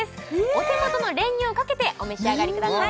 お手元の練乳をかけてお召し上がりください